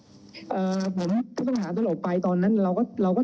แล้วทำไมผู้กับโจ้ไม่แจ้งต่อผู้ประคับบัญชาครับในขณะที่ผู้ต้องหานะครับสลบไป